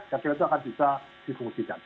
jadi itu akan bisa difungsikan